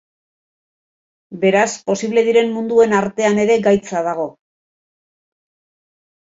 Beraz, posible diren munduen artean ere gaitza dago.